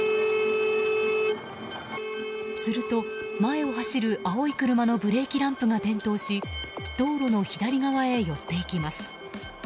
すると、前を走る青い車のブレーキランプが点灯し道路の左側へ寄っていきます。